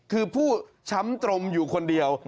คือผู้ช้ำตรงอยู่คนเดียว